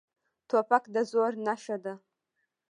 توپک د زور نښه ده.